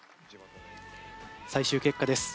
最終結果です。